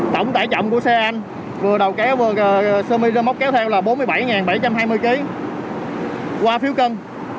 tổng tải trọng của xe anh vừa đầu kéo vừa sơ mi rơ móc kéo theo là bốn mươi bảy bảy trăm hai mươi kg qua phiếu cân